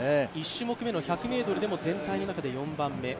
１種目めの１００ｍでも全体の中で４番目。